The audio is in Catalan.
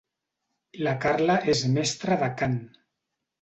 La Carla és mestra de cant.